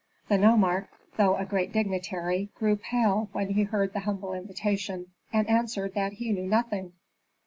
The nomarch, though a great dignitary, grew pale when he heard the humble invitation, and answered that he knew nothing.